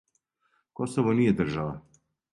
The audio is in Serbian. Косово није држава.